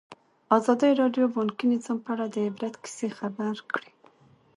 ازادي راډیو د بانکي نظام په اړه د عبرت کیسې خبر کړي.